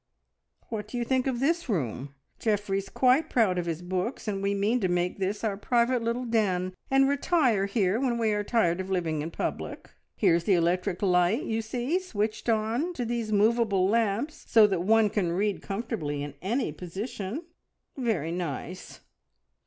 What do you think of this room? Geoffrey is quite proud of his books, and we mean to make this our private little den, and retire here when we are tired of living in public. Here's the electric light, you see, switched on to these movable lamps, so that one can read comfortably in any position!" "Very nice!